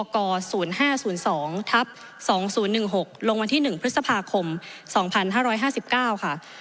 ก๐๕๐๒ทับ๒๐๑๖ลงวันที่๑พฤษภาคม๒๕๕๙ค่ะ